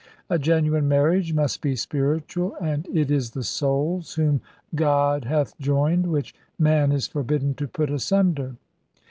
A genuine marriage must be spiritual, and it is the souls, whom God hath joined, which man is forbidden to put asunder.